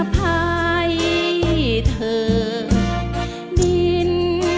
อภัยเถอะดิน